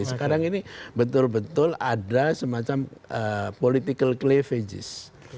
sekarang ini betul betul ada semacam political cleavages